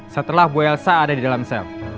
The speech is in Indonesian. setelah bu elsa ada di dalam sel